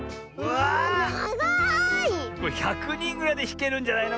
これ１００にんぐらいでひけるんじゃないの？